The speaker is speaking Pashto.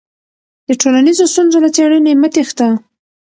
د ټولنیزو ستونزو له څېړنې مه تېښته.